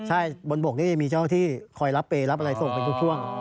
ใช่บนบกนี่จะมีเจ้าที่คอยรับเปย์รับอะไรส่งเป็นทุกช่วง